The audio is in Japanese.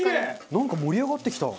なんか盛り上がってきた！